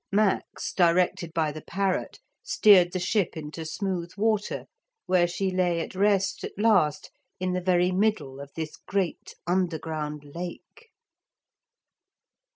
Max, directed by the parrot, steered the ship into smooth water, where she lay at rest at last in the very middle of this great underground lake.